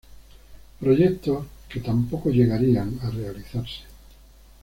Proyectos que tampoco llegarían a realizarse.